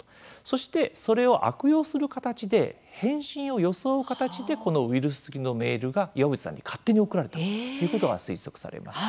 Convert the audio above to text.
そしてそれを悪用する形で返信を装う形でこのウイルス付きのメールが岩渕さんに勝手に送られたということが推測されます。